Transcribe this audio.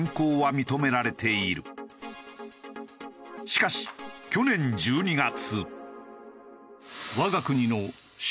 しかし去年１２月。